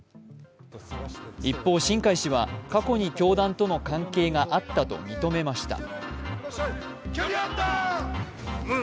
一方、新開氏は過去に教団との関係があったと認めました。